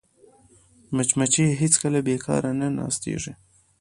مچمچۍ هېڅکله بیکاره نه ناستېږي